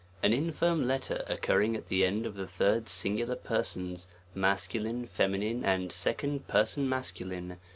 AN infirm letter, occurring at the end of the third singular persona masculine, femiiiine, and second person masculine